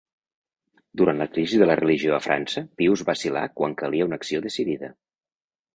Durant la crisi de la religió a França, Pius vacil·là quan calia una acció decidida.